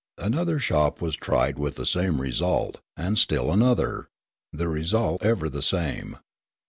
Another shop was tried with the same result, and still another, the result ever the same.